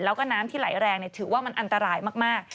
แล้วก็น้ำที่ไหลแรงถือว่ามันอันตรายมาก